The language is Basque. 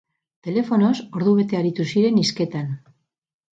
Telefonoz ordubete aritu ziren hizketan.